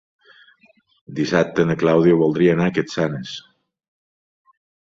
Dissabte na Clàudia voldria anar a Capçanes.